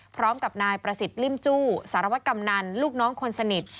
พร้อมกับนายประสิทธิ์ลิ่มจู้สารวัตกำนันลูกน้องคนสนิท